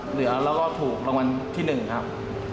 เหลือแล้วก็ถูกรางวัลที่๑ครับ